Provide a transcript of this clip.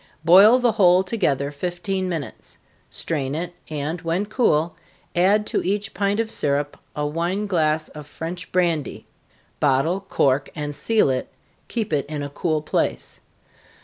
Boil the whole together fifteen minutes strain it, and when cool, add to each pint of syrup a wine glass of French brandy. Bottle, cork, and seal it keep it in a cool place.